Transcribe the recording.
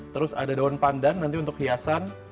terus ada daun pandan nanti untuk hiasan